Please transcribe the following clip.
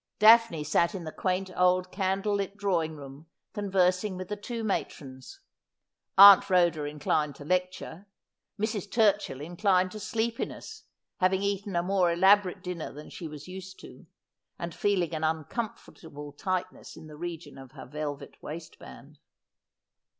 Daphne sat in the quaint old candle lit drawing room conversing with the two matrons — Aunt Rhoda inclined to lecture; Mrs. Turchill inclined to sleepiness, having eaten a more elaborate dinner than she was used to, and feeling an uncomfortable tightness in the region of her velvet waistband.